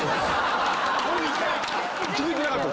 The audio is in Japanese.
気付いてなかった。